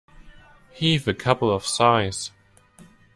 Heave a couple of sighs.